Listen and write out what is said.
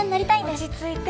落ち着いて。